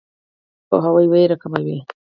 پوهاوی ویره کموي.